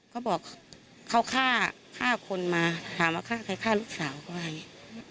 เขาบอกเขาฆ่าฆ่าคนมาถามว่าฆ่าใครฆ่าลูกสาวเขาว่าอย่างนี้